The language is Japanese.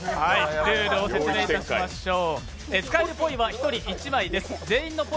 ルールを説明いたしましょう。